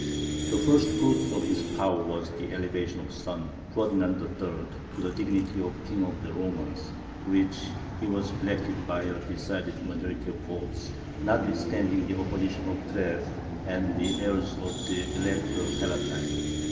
The first fruit of his power was the elevation of his son, Ferdinand III., to the dignity of King of the Romans, to which he was elected by a decided majority of votes, notwithstanding the opposition of Treves, and of the heirs of the Elector Palatine.